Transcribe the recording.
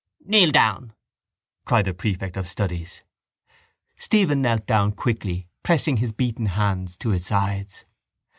—Kneel down, cried the prefect of studies. Stephen knelt down quickly pressing his beaten hands to his sides.